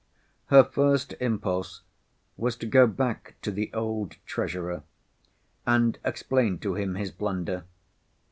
Her first impulse was to go back to the old treasurer, and explain to him his blunder.